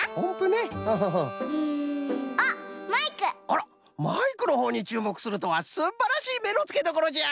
あらマイクのほうにちゅうもくするとはすんばらしいめのつけどころじゃ！